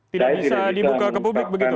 tidak bisa dibuka ke publik begitu